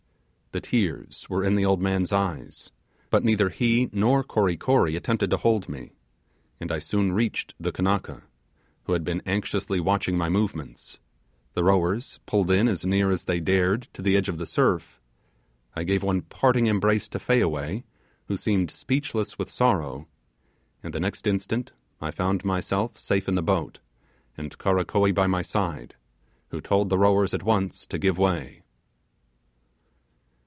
The tears were in the old man's eyes, but neither he nor Kory Kory attempted to hold me, and I soon reached the Kanaka, who had anxiously watched my movements; the rowers pulled in as near as they dared to the edge of the surf; I gave one parting embrace to Fayaway, who seemed speechless with sorrow, and the next instant I found myself safe in the boat, and Karakoee by my side, who told the rowers at once to give way.